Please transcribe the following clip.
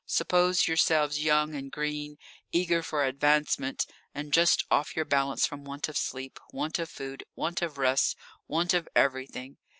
Suppose yourselves young and green, eager for advancement, and just off your balance from want of sleep, want of food, want of rest, want of everything.